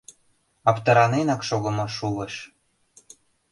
Аптыраненрак шогымо шулыш.